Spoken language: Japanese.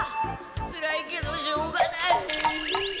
つらいけどしょうがない。